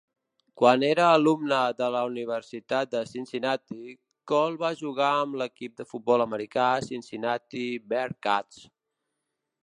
Quan era alumne de la Universitat de Cincinnati, Cole va jugar amb l"equip de futbol americà Cincinnati Bearcats.